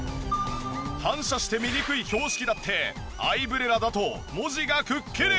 反射して見にくい標識だってアイブレラだと文字がくっきり！